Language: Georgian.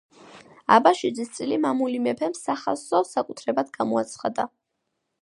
აბაშიძის წილი მამული მეფემ სახასო საკუთრებად გამოაცხადა.